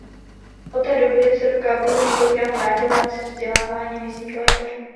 Od té doby se do Kábulu několikrát vrátil v rámci vzdělávání místních lékařů.